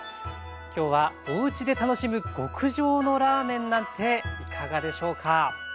今日はおうちで楽しむ極上のラーメンなんていかがでしょうか。